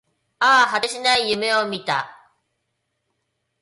ああ、果てしない夢を見た